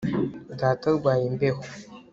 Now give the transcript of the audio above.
Data arwaye imbeho